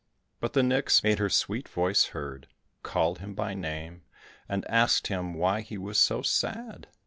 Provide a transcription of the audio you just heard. But the nix made her sweet voice heard, called him by his name, and asked him why he was so sad?